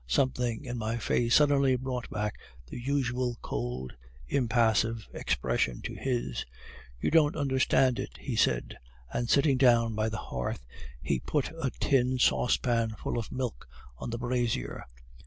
"Something in my face suddenly brought back the usual cold, impassive expression to his. "'You don't understand it,' he said, and sitting down by the hearth, he put a tin saucepan full of milk on the brazier.